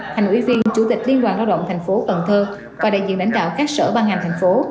thành ủy viên chủ tịch liên đoàn lao động thành phố cần thơ và đại diện lãnh đạo các sở ban ngành thành phố